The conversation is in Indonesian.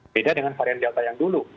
beda dengan varian delta yang dulu